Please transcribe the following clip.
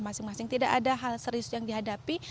masing masing tidak ada hal serius yang dihadapi